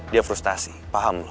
dia frustasi paham lu